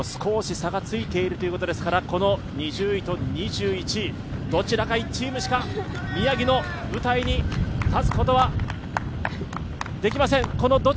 前と後ろも少し差がついているということですからこの２０位と２１位、どちらか１チームしか宮城の舞台に立つことはできません。